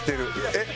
えっ？